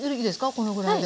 このぐらいで。